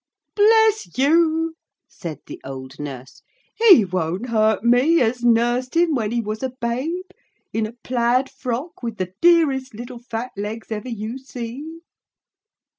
'Bless you,' said the old nurse, 'he won't hurt me as nursed him when he was a babe, in a plaid frock with the dearest little fat legs ever you see.'